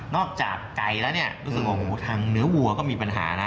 จากไก่แล้วเนี่ยรู้สึกว่าโอ้โหทางเนื้อวัวก็มีปัญหานะ